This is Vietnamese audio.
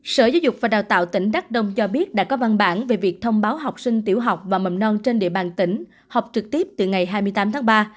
sở giáo dục và đào tạo tỉnh đắk đông cho biết đã có văn bản về việc thông báo học sinh tiểu học và mầm non trên địa bàn tỉnh học trực tiếp từ ngày hai mươi tám tháng ba